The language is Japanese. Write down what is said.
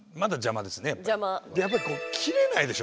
やっぱり切れないでしょ？